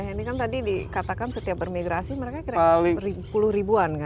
ini kan tadi dikatakan setiap bermigrasi mereka kira kira puluh ribuan kan